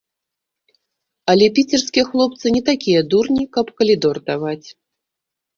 Але піцерскія хлопцы не такія дурні, каб калідор даваць.